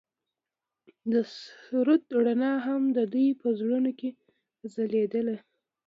د سرود رڼا هم د دوی په زړونو کې ځلېده.